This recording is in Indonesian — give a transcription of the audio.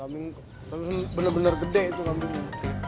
kambing benar benar gede itu kambingnya